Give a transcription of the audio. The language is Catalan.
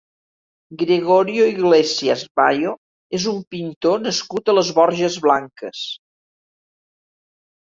Gregorio Iglesias Mayo és un pintor nascut a les Borges Blanques.